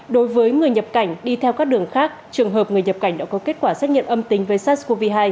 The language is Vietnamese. đối với người nhập cảnh đi theo các đường khác trường hợp người nhập cảnh đã có kết quả xét nghiệm âm tính với sars cov hai